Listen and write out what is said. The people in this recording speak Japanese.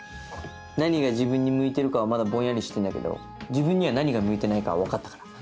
何が自分に向いてるかはまだぼんやりしてんだけど自分には何が向いてないかは分かったから。